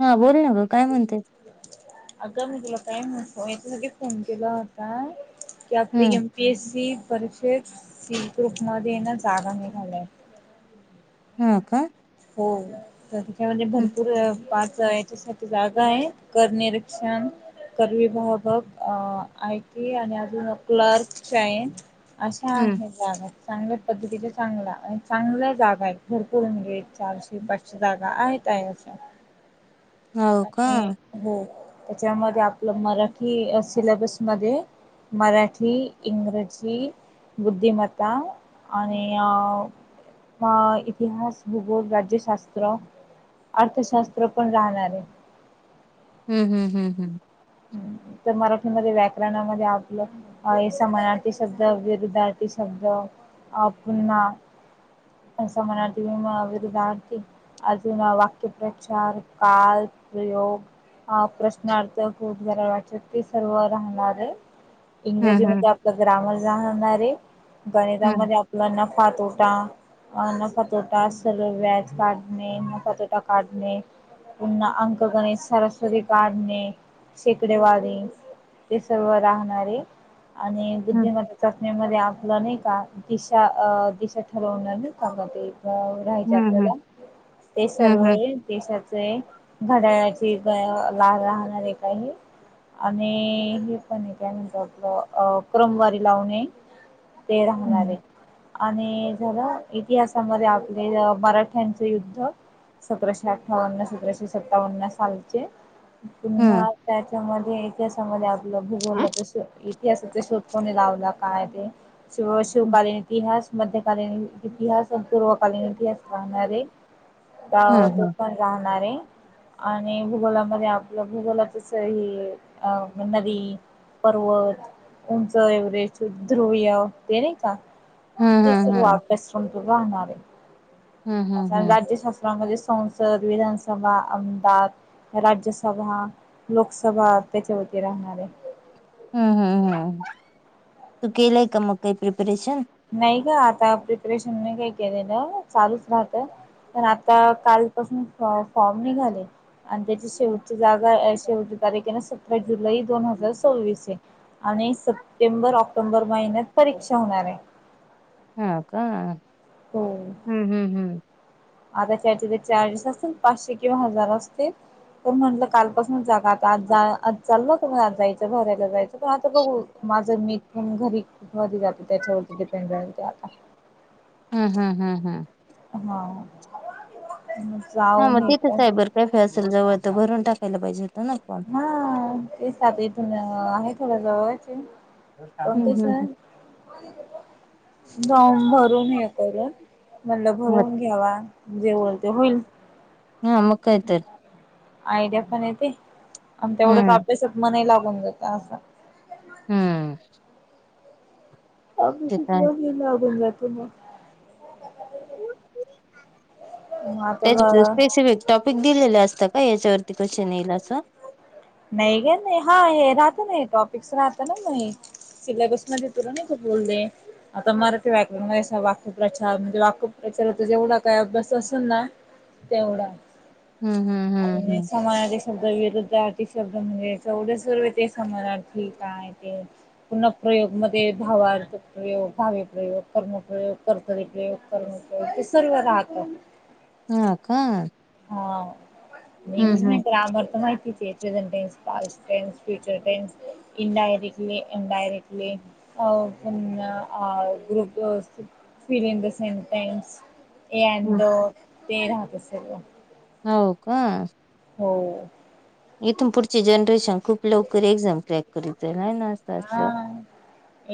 हा बोल न ग काय म्हणताय अग मी तुला काय म्हो याच्यासाठी फोन केला होता की आपली हम्म पी एस सी परीक्षेत सी ग्रुपमध्ये ये नां जागा निघाल्या आहे हो का हो तर तिच्या म्हणजे हम्म भरपूर पार्ट आहे त्याच्या साठी जागा आहे कर निरीक्षण कर विभागक अजून आयटी आणि अजून क्लारक च्या आहेत. अशा हम्म आहे. जागा चांगल्या पद्धतीच्या चांगला चांगल्या जागा आहेत भरपूर म्हणजे चारशे पाचशे जागा आहेत त्याच्या हो का आणि हो त्याच्यामध्ये आपलं मराठी सिलेबस मध्ये मराठी, इंग्रजी बुद्धिमत्ता आणि अ इतिहास, भूगोल, राज्यशास्त्र अर्थशास्त्र पण राहणार आहे. हम् हम्म हम् हम्! तर मराठीमध्ये व्याकरणामध्ये आपलं अ समनार्थी शब्द विरूधार्थी शब्द अ पुन्हा समानार्थी, विरुद्धार्थी अजून वाक्यप्रचार काल प्रयोग प्रश्न अर्थ खूप जरा वाटत ते सर्व राहणार आहे इंग्रजी हम्म हम्म मध्ये ग्रामर जाणारे गणितामध्ये आपला नफा तोटा अ ना नफा तोटा सरळ व्याज काढणे नफा तोटा काढणे. पुन्हा अंक गणित सरासरी काढणे शेकडे वारी ते सर्व राहणारे आणि हम्म बुद्धिम जपण्यामध्ये आपलं नाही का दिशा दिशा ठरवणार नाही का ते मग त्या वर राहायचे हम्म आपल्याला ते हम्म हम्म सर्व हम्म देशाचे घड्याळाचे राहणारे काही आणि हे पण काय म्हतर आपलं क्रमवारी लावणे ते राहणारे. आणि झाला इतिहासामध्ये आपले मराठ्यांच युद्ध! सतराशे अठ्ठावन्न, सतराशे सत्तावन्न सालचे. हम्म पुन्हा त्याच्यामध्ये इतिहासामध्ये आपलं भूगोल तस इतिहासाचा शोध कोणी लावला काय ते शिव शिवकालीन इतिहास मध्यकालीन इतिहास पूर्वकालीन इतिहास राहणारे हम्म राहणारे आणि भूगोलामध्ये आपलं भूगोल जस हे अ नदी, पर्वत उमचं एव्हरेस्ट, ध्रुवय ते नाही का! हम्म ते सर्व हम्म अभ्यासक्रम त राहणार आहे हम्म हम्म हम्म हम्म हम्म अस राज्य शास्त्रामध्ये संसद, विधानसभा, आमदार राज्यसभा लोकसभा त्याच्या वती राहणार आहे. हम्म हम्म हम्! तू केलंय का मग काही प्रिपरेशन? नाही ग आता प्रिपरेशन नाही काही केलेलं चालूच राहत पण आता काल पासून फॉर्म निघाले. आणि त्याची शेवटची जागा शेवटची तारीख आहे, ना सतरा जुलै दोन हजार सो्वीस आहे. आणि सप्टेंबर ऑक्टोबर महिन्यात परीक्षा होणार आहे. हा का हो हम्म हम्म हम्म! आता त्याचे चार्जेस असतील पाचशे किंवा हजार असतील पण म्हटलं कालपासून आता आज जा आज चाल का म आज जायचं भरायला जायचं पण आता बघू माझं मिच घरी मी जाते त्याच्यावरती डिपेंड राहते आता. हम् हम हम् हं! हा! हा जाऊन मग हे तिथं पण सायबर कॅफे असेल जवळं भरून टाकायला पाहिजे हों ना! हा ते सात इथून आहे खरं जवळचे पण हम्म कस हम्म दऊ भरून हे करूया. मणलं हम्म. भरून घ्यावा जेवळ ते होईल हा मुकायत र आयडिया पण येते आणि तेवढंच हम्म आपल्यासच मनाही लागून जातं असं हम्म अ ते तर आहेच. म तगून जातो ना मग आता त्या ब स्पेसिफिक टॉपिक दिलेले असतं का याच्यावरती क्वेश्चन येईल असं नाही का नाही हा हे राहत ना टॉपिक्स राहत ना म सिलेबस म त तुरा ना ख बोल दे आता मराठी वाकचा वाकू प्रचार म्हणजे वाको प्रचाराचा जेवढा काही अभ्यास असेल ना तेवढा हम्म हम्म हम्म आणि हम्म समानाचे शब्द वेत शब्द म्हणजे चौद रुपये ते समरणार्थी काय ते पर्ण प्र्रयोग मध्ये भाव् प्रयोग भावे प्र्रयोग कर्मप्रयोग कर्तरी प्रयोग ते सर्व राहतो हा का हा नेच हम्म हम्म माहिती आम तर माहितीच present tense past tense future tense indirectly indirectly अ ग्रुप फ इ द ट हम्म यांड तेरा तसेल हो का हो इथून पुढची जनरेशन खूप लवकर एक्झाम क्रॅक करील आहे ना असं हा असल्यावर.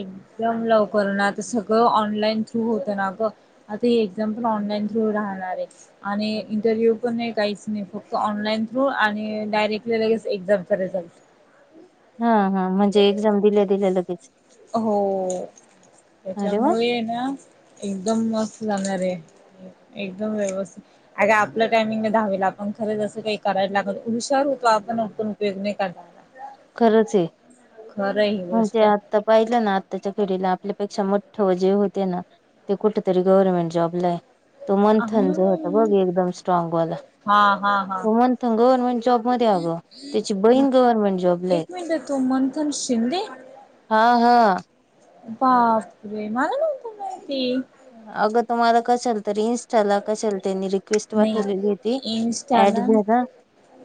एकदम लवकर ना आता सगळं ऑनलाईन थ्रू होतं ना ग आता एक्झाम्पल ऑनलाईन थ्रू राहणार आहे आणि इंटरव्ह्यू पण नाही काहीच नाही फक्त ऑनलाईन थ्रू आणि डायरेक्ट लगेच एक्झामचा रिझल्ट हा हा म्हणजे एक्झाम दिल्या दिल्या लगेच हो अरे वा त्याच्यामुळे ना एकदम मस्त जाणार आहे एकदम व्यवस्थित अे आपलं टायमिंग धावेल आपण खरं जसं काही करायला लागत हुशार होतो आपणण उयग नाही करणार खरंच आहे खरं ही म्हणजे गोष्ट आता पाहिलं ना आत्ताच्या खेडीला आपल्यापेक्षा मोठ जे होते ना ते कुठेतरी गव्हर्नमेंट जॉबला तो मंथन जो होता बघी एकदम स्ट्रॉग वाला हा हा हा मंथ गव्हर्नमेंट जॉबमध्येध्ये आ गं त्याची हा बहीण गव्हर्नमेंट जॉब एक मिनट आहे तू मंथन शिंदे हा हा बापरे मला नतो माती अगं तुम्हाला कसंल तर इस्ट चला कशल त्यांनी रिक्वेस्ट वाठवलेली होती नाही ऍड इंस्टाला झारा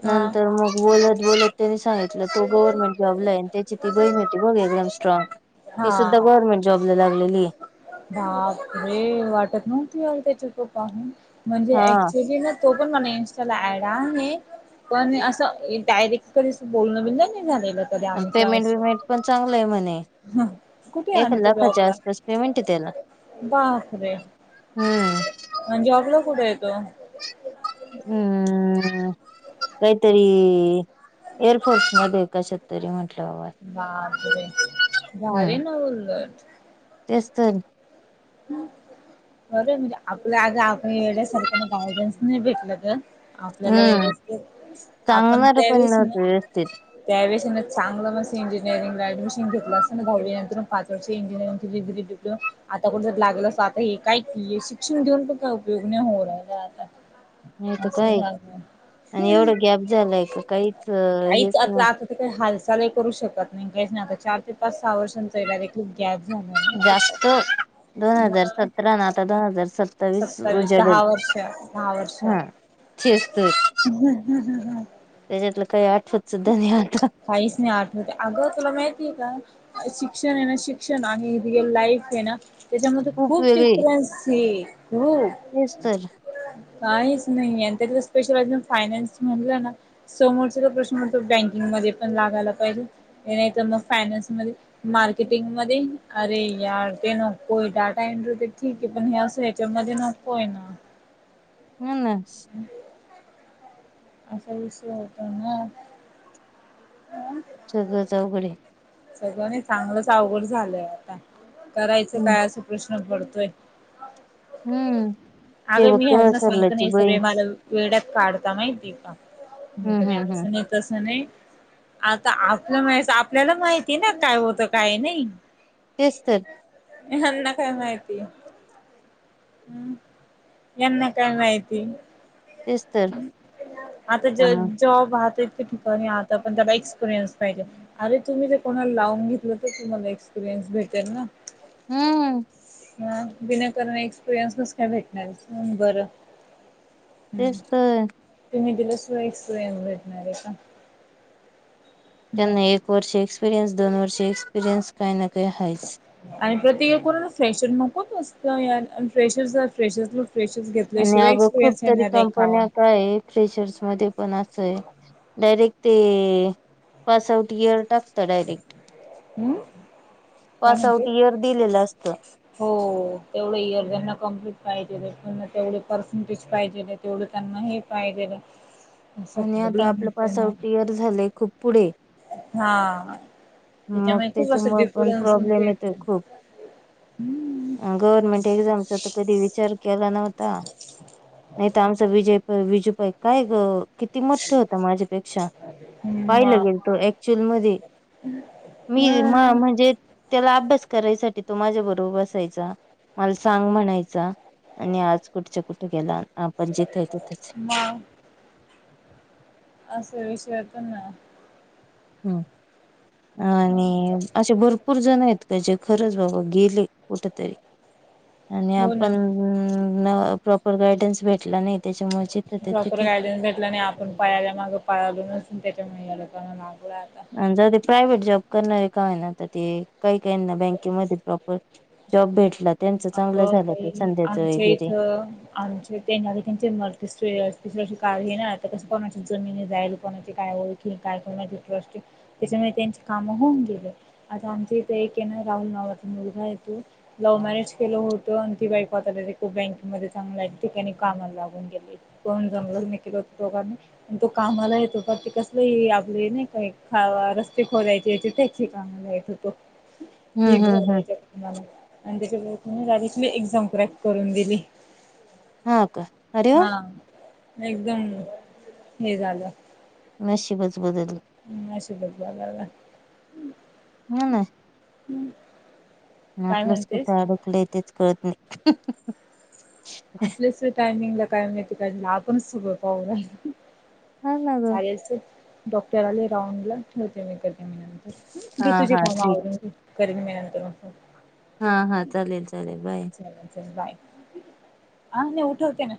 हा नंतर मग बोलत बोलत त्यांनी सांगितलं तो गव्हर्नमेंट जॉबला आहे त्याची ती बहीणती बघ एकदम स्ट्रॉग ती सुद्धा हा गव्हर्नमेंट जॉब लागलेली बापरे वाटत नव्हती अ त्या्याच्याको पाहून म्हणजे हा ऍक्च्युली ना तो पण मला इं्स्टाला ऍड आहे पण असं डायरेक्ट कडे बोलणं बि नाही नाही झालेलं कधी आमचं पेमेंट असं. वमेंट पण चांगलं आहे म्हणे कुठे एक आहे लाखाच्या आसपास पेमेंट आहे त्याला बाकरे हम्म म्हणजे अगला कुठे येतो हम्म काहीतरी एअरफोर्स म कशात तरी म्हटलं बा बापरे भारी न बोलणारात तेचत बरो म्हणजे आपलं आज आपण वड्यासारख्याना गायडन्स नाही भेटलं तर आपल्याला हम्म व्यवस्थित आपण सांगणार पण त्यावेच ना नव्हत व्यवस्थित त्या ववेषीने चांगलं म इंजिनिअरिंग ऍडमिशन घेतलं असत ना दहावी नंतर पाच वर्षची इंजिनिरिंग डिग्री अ कड जर लागेल अस आता हे काय के शिक्षण घेऊन पण काय उपयोग नाही हो आता नाही तर असं काय झालं. आणि एवढं गॅब झालाय का काहीच हेच काहीच आता नाही आता काही हालही करू शकत नाही काहीच नाही आता चार ते पाच सहा वर्षांचा डायरेक् गॅज झालं नाही क आहे जास्त दोन हजार सतरा न आता दोन हजार सत तवीच सत्तावीस उजाडेल दहा वर्ष हा तेस्त हम् हम ह हम त्याच्यातलं काही आठवत सुद्धा नाही आता काहीच नाही आठवते अगं तुला माहितीय का शिक्षण ये ना शिक्ण आणि रियल लाईफ ये ना त्याच्यामध्ये खूप डिफरन्स हो येस तर काहीच नाही स्पेशल फायनान्स म्हणलं ना समोरचा प्रश्न ग बँकिंग मध्ये पण लागायला पाहिजे नाही तर मग फायनान्स मध्ये मार्केटिंग मध्ये अरे या ते नकोय डाटा एन्रटेड ठीक आहे पण हे असं याच्यामध्ये नको होय ना ह नास असा विषय होतो ना हम् सगळं जाौघडे सगळं नाही चांगलंच अवघड झालंय आता करायचं हम्म काय असं प्रश्न पडतोय हम्म ते अगं बघ मी तेव्हा हरना सांगतो सरलाची नाही बहीण सगळे मला वेड्यात काढता माहिती का म्ह हम्म हम्म मस हम्म तस नाही आता आपलं माह आपल्याला माहिित ति ना काय होतं काय नाही तेच तर यांना काय माहितीय हम् यांना काय माहिती तेच तर आता ज पण जॉब आहात इ ठिकाणी आहता पण त्याला एक्सपिरियन्स पाहिजे अरे तुम्ही कोणाला लावून घेतलं तर तुम्हाला एक्सपिरियन्स भेटेल ना हम्म ह विनाकारण एक्सपिरियन्स नस काय भेटणार बरं हम्म तेस आहे तुम्ही तिला सोय स्वय भेटणार आहे का हम्म त्यांना एक वर्ष एक्सपिरियन्स दोन वर्ष एक्सपिरियन्स काही ना काही आहेच आणि प्रत्येक करून फ्रेशर नको त असत फ्रेशर फ्रेशर फ्रेशस आणि घेतल्याशिवाय अगं खूप एक्सपिरियनस तरी येणार आहे का कंपन्या काय आहे फ्रेशर्स मध्ये पण असंय डायरेक्ट ते पास आउट इयर टाक डायरेक्ट हम्म काय पास म्हणते? आउट इयर दिलेलं असत हो तेवढं इयर त्यांना कंप्लीट पाहिजे तेवढे पर्सेंटेज पाहिजे तेवढं त्यांना हे कायकन आणि आता आपलं पास आउट इयर झालंय खूप पुढे हा मग खूप असं त्याच्यामुळे पण डिफरन्स ते प्रॉब्लेम येतोय येतो. खूप गव्हर्नमेंट एक्झामचा तर कधी विचार केला नव्हता नाही तर आमचं विजय विजू पाईक काय किती मोठं होतं माझ्यापेक्षा पाहिलं गेल तो ऍक्च्युअल मध्ये हम् मी मा म्हणजे त्याला अभ्यास करायसाठी तो माझ्या बरोबर बसायचा मला सांग म्हणायचा आणि आज कुठच कुठे गेलं आपण जिथे तिथंच म असे विषया तर ना ह आणि असे भरपूर जण आहेत त्याजे खरंच बाबा गेले कुठ तरी आणि हो आपण ना. प्रॉपर गायडन्स भेटला नाही त्याच्यामुळे जिथं ते प्रपर तिथं गायडन्स भेटला नाही पण पळाला माग पळल न त्याच्यामुळे अडकाला लागला आता आणि जर ते प्रायव्हेट जॉब करणारे का आहे ना तर ते काही काही ना बँकेमध्ये प्रॉपर जॉब भेटला त्यांच आग चांगलं झालं काई ते संध्याच आमच्या वगैरे इथ आ त्यांचे मते स तिसरशी कार ना आता कसं कोणाची जमिनी जाईल कोणाची काय होईल कि काय कर दु त्याच्यामुळे त्यांचे काम होऊन गेले आता आमच्या इथे एक आहे ना राहुल नावाचा मुलगा आहेेतो लव्ह मॅरेज गलं होतं आणि ती बाईकवतला ते खूप बँके मध्ये चांगलंय ठिकाणी कामाला लागून गेलेय कोण जंगलत नि केल होत दोघांनी तो कामाला येतो तर ते कसले आपले ना काही रस्ते खोलायचे याचेे कागला येत होतो हम्म कि हम्म हम्म बरायच्या तुम्हाला आणि त्याच्याने रारीतली एक्झाम क्रॅक करून दिली हा का अरे वा हा एकदम हे झालं नशशीबच बदल हम्शुधपगला हम् हा आपलं स् कुठं अडकलं तेच कळत नाही आपल्याच टायमिंगला काय माहिती काला आपणच सगं पाह हा ना ग चा डॉक्टर आले राहंडला होते म कर हा घे तुझी हा काम ठीक आवरून कर् म म्यानंतर म हा हा चालेल चालेल बाय बाय हा नाही उठवते ना